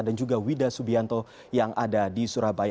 dan juga wida subianto yang ada di surabaya